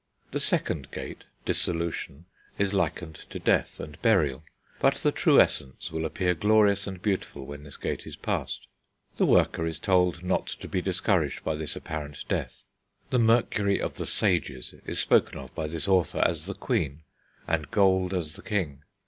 The second gate, Dissolution, is likened to death and burial; but the true Essence will appear glorious and beautiful when this gate is passed. The worker is told not to be discouraged by this apparent death. The mercury of the sages is spoken of by this author as the queen, and gold as the king.